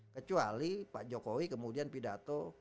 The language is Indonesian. kecuali pak jokowi kemudian pidato